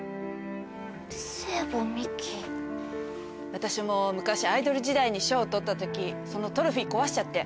私も昔アイドル時代に賞取った時そのトロフィー壊しちゃって。